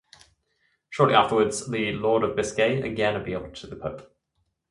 Shortly afterwards, the Lord of Biscay again appealed to the Pope.